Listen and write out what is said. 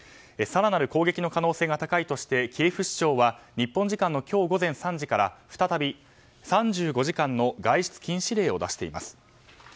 更なる攻撃の可能性が高いとしてキエフ市長は日本時間の今日午前３時から再び３５時間の外出禁止令を出しています。